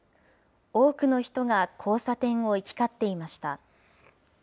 多くの人が交差点を行き交っていました。